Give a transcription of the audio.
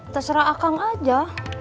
terserah akang aja